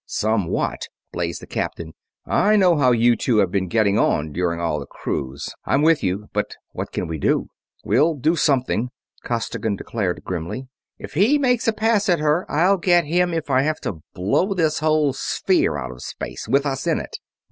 "Somewhat!" blazed the captain. "I know how you two have been getting on all during the cruise. I'm with you, but what can we do?" "We'll do something," Costigan declared grimly. "If he makes a pass at her I'll get him if I have to blow this whole sphere out of space, with us in it!"